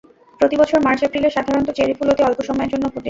প্রতি বছর মার্চ-এপ্রিলে সাধারণত চেরি ফুল অতি অল্প সময়ের জন্য ফোটে।